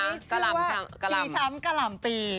เพลงนี้ชื่อว่าชีช้ำกะหล่ำตี